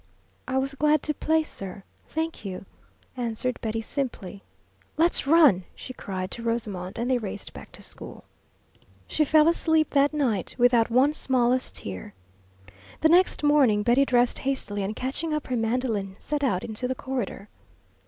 "I was glad to play, sir. Thank you!" answered Betty, simply. "Let's run!" she cried to Rosamond, and they raced back to school. She fell asleep that night without one smallest tear. The next morning Betty dressed hastily, and catching up her mandolin, set out into the corridor.